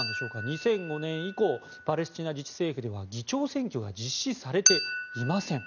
２００５年以降パレスチナ自治政府では議長選挙が実施されていません。